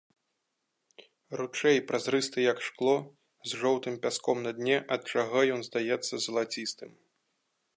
Ручай празрысты, як шкло, з жоўтым пяском на дне, ад чаго ён здаецца залацістым.